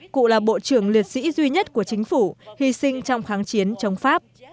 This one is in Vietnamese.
cụ là bộ trưởng liệt sĩ duy nhất của chính phủ hy sinh trong kháng chiến chống pháp